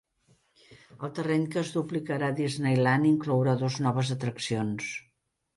El terreny, que es duplicarà a Disneyland, inclourà dos noves atraccions.